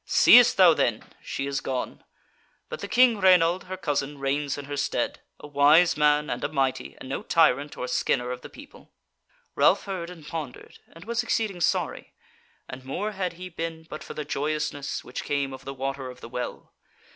Seest thou then! she is gone: but the King Rainald her cousin reigns in her stead, a wise man, and a mighty, and no tyrant or skinner of the people." Ralph heard and pondered, and was exceeding sorry, and more had he been but for the joyousness which came of the Water of the Well.